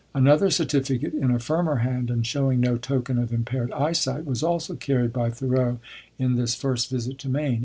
Another certificate, in a firmer hand, and showing no token of impaired eyesight, was also carried by Thoreau in this first visit to Maine.